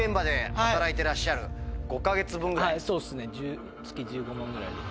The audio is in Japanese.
はいそうですね月１５万ぐらいで。